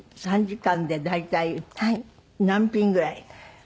３時間で大体何品ぐらい？